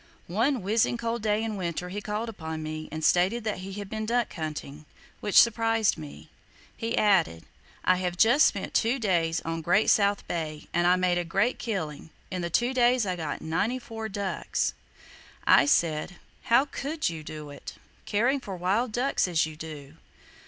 One whizzing cold day in winter he called upon me, and stated that he had been duck hunting; which surprised me. He added, "I have just spent two days on Great South Bay, and I made a great killing. In the two days I got ninety four ducks!" I said, "How could you do it,—caring for wild ducks as you do?"